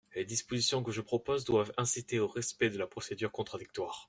Les dispositions que je propose doivent inciter au respect de la procédure contradictoire.